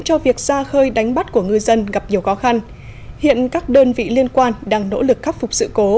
cho việc ra khơi đánh bắt của ngư dân gặp nhiều khó khăn hiện các đơn vị liên quan đang nỗ lực